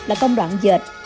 là công đoạn dệt